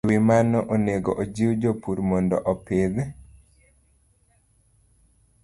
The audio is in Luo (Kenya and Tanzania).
E wi mano, onego ojiw jopur mondo opidh